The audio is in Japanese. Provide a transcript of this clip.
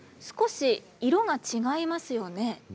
少し色が違いますよね。